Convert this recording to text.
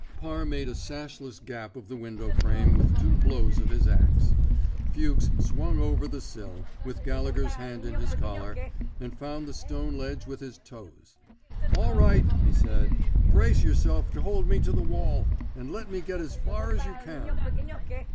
Parr made a sashless gap of the window frame with two blows of his axe. Fuchs swung over the sill, with Gallegher 's hand in his collar, and found the stone ledge with his toes. All right," he said. Brace yourself to hold me to the wall — and let me get as far as you can."